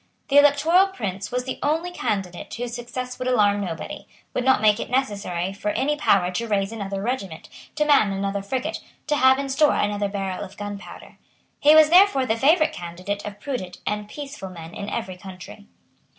The Electoral Prince was the only candidate whose success would alarm nobody; would not make it necessary for any power to raise another regiment, to man another frigate, to have in store another barrel of gunpowder. He was therefore the favourite candidate of prudent and peaceable men in every country.